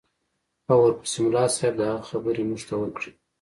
او ورپسې ملا صاحب د هغه خبرې موږ ته وکړې.